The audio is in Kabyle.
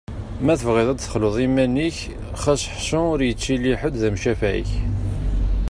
Ma tebɣiḍ ad texluḍ iman-ik, xas ḥṣu ur yettili ḥed d amcafeɛ-ik.